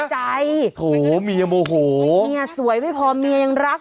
ใจโหเมียโมโหเมียสวยไม่พอเมียยังรัก